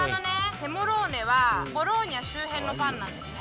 セモローネはボローニャ周辺のパンなんですね。